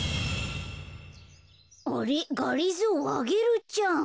あれがりぞーアゲルちゃん。